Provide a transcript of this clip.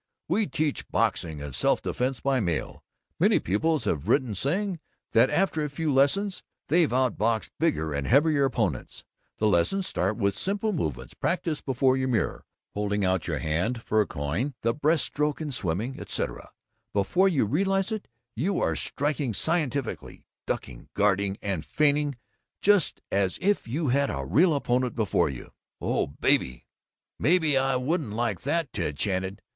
We teach boxing and self defense by mail. Many pupils have written saying that after a few lessons they've outboxed bigger and heavier opponents. The lessons start with simple movements practised before your mirror holding out your hand for a coin, the breast stroke in swimming, etc. Before you realize it you are striking scientifically, ducking, guarding and feinting, just as if you had a real opponent before you. "Oh, baby, maybe I wouldn't like that!" Ted chanted.